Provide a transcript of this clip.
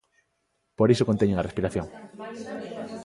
Por iso conteñen a respiración.